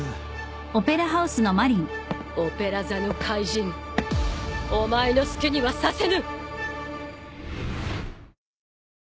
オペラ座の怪人お前の好きにはさせぬ！